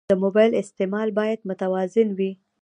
د موبایل استعمال باید متوازن وي.